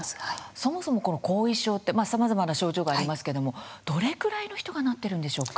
そもそもこの後遺症ってさまざまな症状がありますけどもどれくらいの人がなってるんでしょうか？